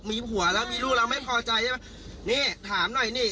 มีผัวแล้วมีลูกแล้วไม่พอใจใช่ไหมนี่ถามหน่อยนี่